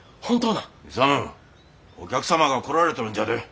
勇お客様が来られとるんじゃで。